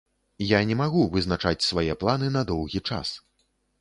Я не магу вызначаць свае планы на доўгі час.